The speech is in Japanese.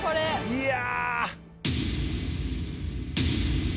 いや！